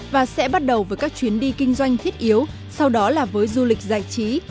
và sẽ bắt đầu với các chuyến đi kinh doanh thiết yếu sau đó là với du lịch giải trí